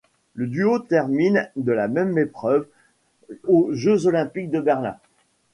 Le duo termine de la même épreuve aux Jeux olympiques de Berlin.